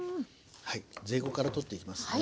はいゼイゴから取っていきますね。